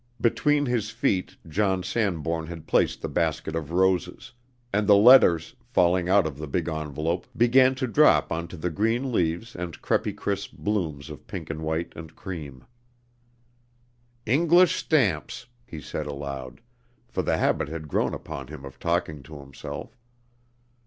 Between his feet John Sanbourne had placed the basket of roses; and the letters, falling out of the big envelope, began to drop onto the green leaves and crêpy crisp blooms of pink and white and cream. "English stamps!" he said aloud for the habit had grown upon him of talking to himself.